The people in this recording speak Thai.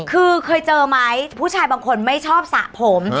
คือเคยเจอไหมผู้ชายบางคนไม่ชอบสระผม